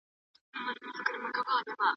د خلګو د حقونو ساتنه د ایمان برخه ده.